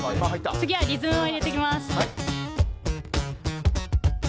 次はリズムを入れていきます。